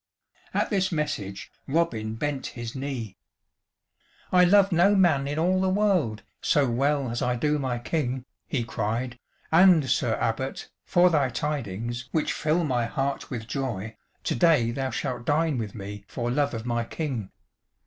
At this message Robin bent his knee. "I love no man in all the world So well as I do my King," he cried, "and, Sir Abbot, for thy tidings, which fill my heart with joy, to day thou shalt dine with me, for love of my King."